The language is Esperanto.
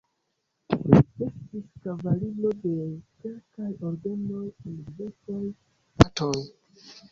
Li estis kavaliro de kelkaj ordenoj en diversaj ŝtatoj.